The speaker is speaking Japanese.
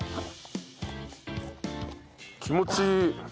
気持ちいい。